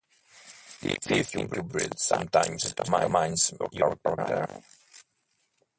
Do you think your build sometimes determines your character?